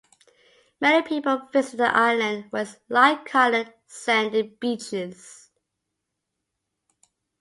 Many people visit the island for its light coloured, sandy beaches.